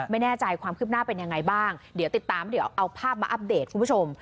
ไม่แน่ใจความคืบหน้าเป็นยังไงบ้างเดี๋ยวติดตามเดี๋ยวเอาภาพมาอัปเดตคุณผู้ชม